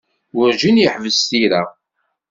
Werǧin yeḥbis tira.